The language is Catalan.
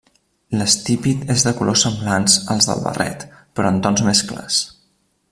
L'estípit és de colors semblants als del barret, però en tons més clars.